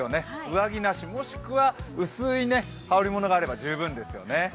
上着なし、もしくは薄い羽織物があれば十分ですよね。